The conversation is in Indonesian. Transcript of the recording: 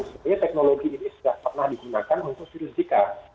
jadi teknologi ini sudah pernah digunakan untuk ciri jika